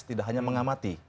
tidak hanya mengamati